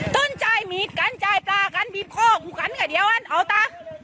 ต้นใจมีกันใจปลากันบีบพอกูกันกันเดียวอันเอาตะ